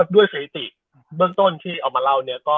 สถิติเบื้องต้นที่เอามาเล่า